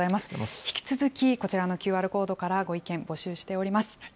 引き続きこちらのＱＲコードからご意見、募集しております。